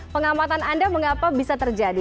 pengamatan anda mengapa bisa terjadi